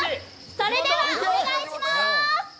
それではお願いします。